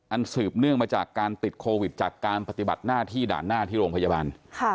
สืบเนื่องมาจากการติดโควิดจากการปฏิบัติหน้าที่ด่านหน้าที่โรงพยาบาล